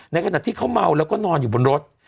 ขณะที่เขาเมาแล้วก็นอนอยู่บนรถ